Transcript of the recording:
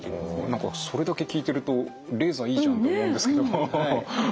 何かそれだけ聞いてるとレーザーいいじゃんと思うんですけどもフフフ。